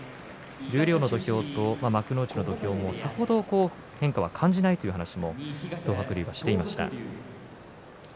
十両の土俵、幕内の土俵はさほど変化は感じないということを話しています。